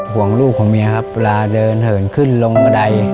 ห่วงลูกของเมียครับเวลาเดินเหินขึ้นลงบันได